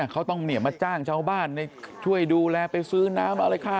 เขาต้องมาจ้างชาวบ้านช่วยดูแลไปซื้อน้ำอะไรค่า